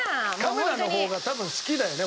カメラの方が多分好きだよね。